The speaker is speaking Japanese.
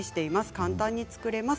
簡単に造れます。